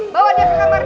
bawa dia ke kamar deh